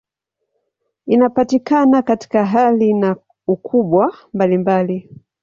Inapatikana katika hali na ukubwa mbalimbali.